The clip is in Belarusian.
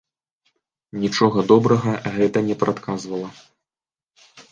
Нічога добрага гэта не прадказвала.